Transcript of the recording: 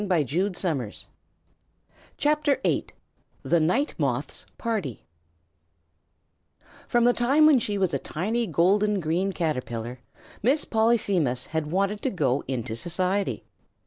THE NIGHT MOTH'S PARTY From the time when she was a tiny golden green Caterpillar, Miss Polyphemus had wanted to go into society.